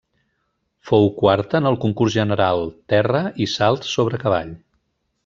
Fou quarta en el concurs general, terra i salt sobre cavall.